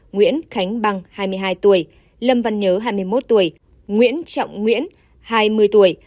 nguyễn khánh băng hai mươi hai tuổi lâm văn nhớ hai mươi một tuổi nguyễn trọng nguyễn hai mươi tuổi